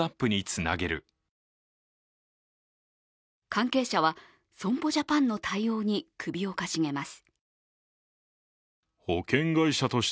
関係者は、損保ジャパンの対応に首をかしげます。